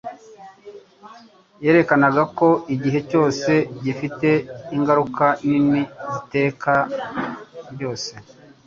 yerekanaga ko igihe cyose gifite ingaruka nini z'iteka ryose;